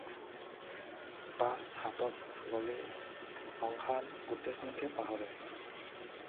তাচ হাতত ল'লে সংসাৰ গোটেইখনকে পাহৰে।